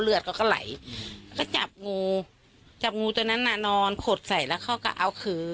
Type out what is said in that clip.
เลือดเขาก็ไหลก็จับงูจับงูตัวนั้นน่ะนอนขดใส่แล้วเขาก็เอาขือ